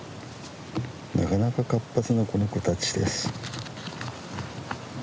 なかなか活発な子ネコたちです。